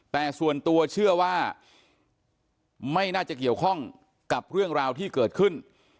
แต่ส่วนตัวเชื่อว่าไม่น่าจะเกี่ยวข้องกับเรื่องราวที่เกิดขึ้น